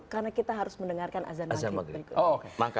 karena kita harus mendengarkan azan maghrib berikutnya